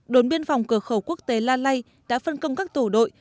đồn biên phòng cửa khẩu quốc tế la lai đã phân công các tổ đội